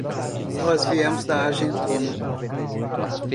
Nós viemos da Argentona.